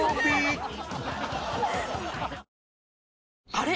あれ？